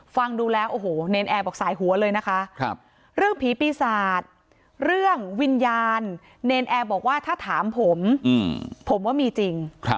ฟังดูแล้วโอ้โหเนรนแอร์บอกสายหัวเลยนะคะเรื่องผีปีศาจเรื่องวิญญาณเนรนแอร์บอกว่าถ้าถามผมผมว่ามีจริง